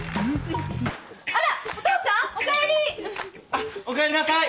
あっおかえりなさい。